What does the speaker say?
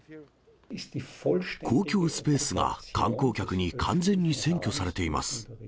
公共スペースが観光客に完全に占拠されています。